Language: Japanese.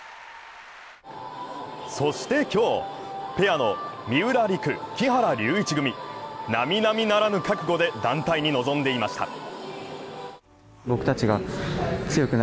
そして今日、ペアの三浦璃来・木原龍一組、なみなみならぬ覚悟で、団体に臨んでいました。